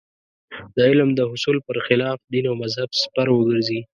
د علم د حصول پر خلاف دین او مذهب سپر وګرځي.